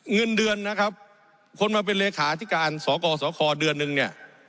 เงินเดือนนะครับคนมาเป็นเลขาธิการสกสคเดือนนึงเนี่ย